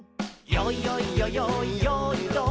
「よいよいよよいよーいドン」